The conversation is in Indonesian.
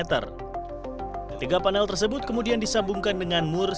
tiga panel tersebut kemudian disambungkan dengan mur serta